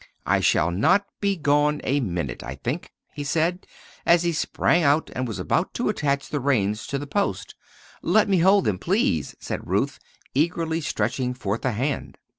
"I shall not be gone a minute, I think," he said, as he sprang out and was about to attach the reins to the post. "Let me hold them, please," said Ruth, eagerly stretching forth a hand.